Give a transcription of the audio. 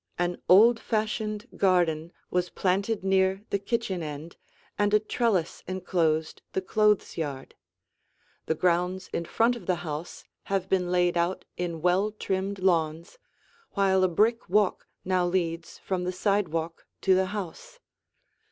An old fashioned garden was planted near the kitchen end, and a trellis enclosed the clothes yard. The grounds in front of the house have been laid out in well trimmed lawns, while a brick walk now leads from the sidewalk to the house.